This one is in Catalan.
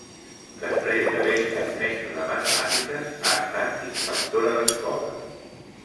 Després d'haver estat mestra de matemàtiques, ha estat inspectora d'escola.